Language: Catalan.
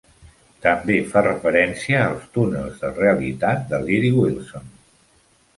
També fa referència als túnels de realitat de Leary-Wilson.